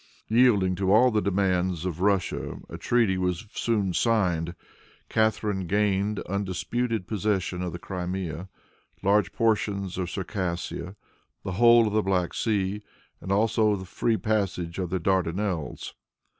Yielding to all the demands of Russia a treaty was soon signed. Catharine gained undisputed possession of the Crimea, large portions of Circassia, the whole of the Black Sea, and also the free passage of the Dardanelles.